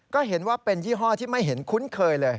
ก็เห็นว่าเป็นยี่ห้อที่ไม่เห็นคุ้นเคยเลย